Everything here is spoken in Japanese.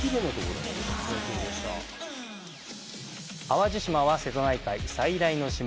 淡路島は瀬戸内海最大の島。